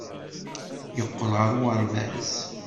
Yeqqel ɣer uɣerbaz.